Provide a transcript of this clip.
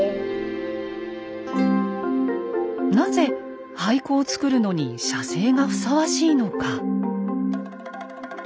なぜ俳句を作るのに写生がふさわしいのか。